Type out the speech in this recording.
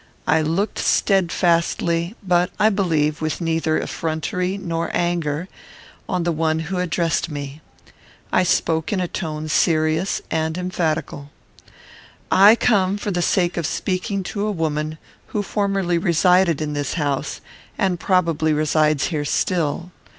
I looked steadfastly, but, I believe, with neither effrontery nor anger, on the one who addressed me. I spoke in a tone serious and emphatical. "I come for the sake of speaking to a woman who formerly resided in this house, and probably resides here still.